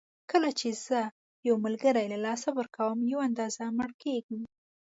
کله چې زه یو ملګری له لاسه ورکوم یوه اندازه مړ کېږم.